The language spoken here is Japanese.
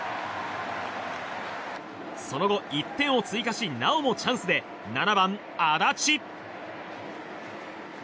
その後、１点を追加しなおもチャンスで７番、安達。